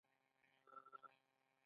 قدرت خپلو منطق ته په اصالت قایل دی.